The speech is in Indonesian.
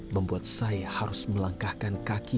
membuat saya harus melangkahkan kaki